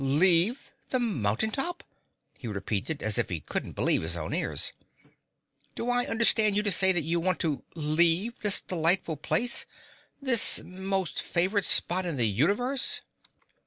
"Leave the mountain top?" he repeated as if he couldn't believe his own ears. "Do I understand you to say that you want to leave this delightful place this most favored spot in the universe?"